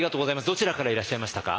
どちらからいらっしゃいましたか？